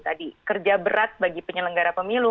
tadi kerja berat bagi penyelenggara pemilu